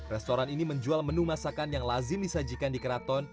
restoran ini menjual menu masakan yang lazim disajikan di keraton